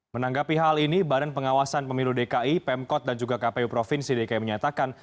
menanggapi hal ini badan pengawasan pemilu dki pemkot dan juga kpu provinsi dki menyatakan